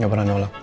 gak pernah nolak